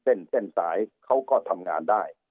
เส้นเส้นสายเขาก็ทำงานได้